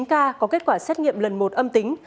bốn ca có kết quả xét nghiệm lần một âm tính